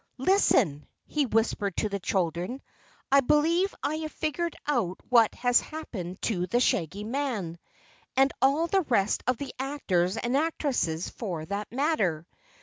"Listen," he whispered to the children. "I believe I have figured out what has happened to the Shaggy Man and all the rest of the actors and actresses, for that matter.